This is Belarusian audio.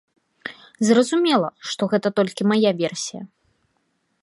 Зразумела, што гэта толькі мая версія.